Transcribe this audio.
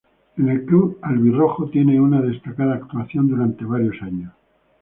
En el club albirrojo tiene una destacada actuación durante varios años.